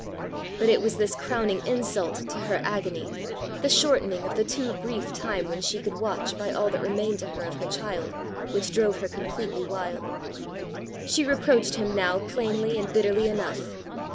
But it was this crowning insult to her agony, the shortening of the too brief time when she could watch by all that remained to her of her child, which drove her completely wild. She reproached him now plainly and bitterly enough.